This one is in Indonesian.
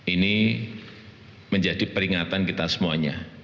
ini menjadi peringatan kita semuanya